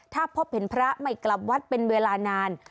ถ้าพบเห็นพระไม่กลับวัดเป็นเวลานาน